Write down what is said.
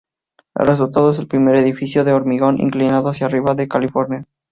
El resultado es el primer edificio de hormigón inclinado hacia arriba de California.